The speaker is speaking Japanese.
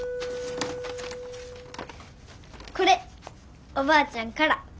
これおばあちゃんから。